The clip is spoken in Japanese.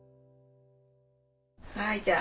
はいじゃあ。